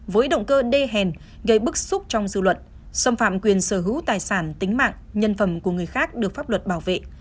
với động cơ đê hèn gây bức xúc trong dư luận xâm phạm quyền sở hữu tài sản tính mạng nhân phẩm của người khác được pháp luật bảo vệ